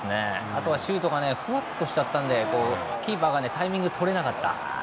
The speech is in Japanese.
あとはシュートがふわっとしたのでキーパーがタイミング悪く取れなかった。